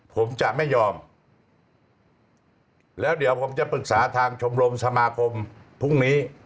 ผมจะไม่ยอมแล้วเดี๋ยวผมจะปรึกษาทางชมรมสมาคมพรุ่งนี้